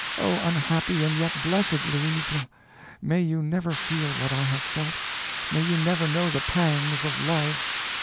Oh, unhappy and yet blessed Louisa! may you never feel what I have felt may you never know the pangs of love.